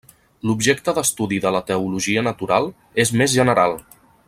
L'objecte d'estudi de la teologia natural és més general.